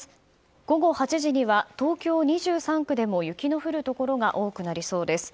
午後８時には東京２３区でも雪の降るところが多くなりそうです。